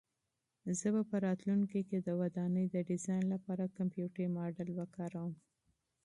زه به په راتلونکي کې د ودانۍ د ډیزاین لپاره کمپیوټري ماډل وکاروم.